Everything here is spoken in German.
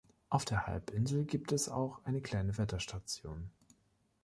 Auf der Halbinsel gibt es auch eine kleine Wetterstation.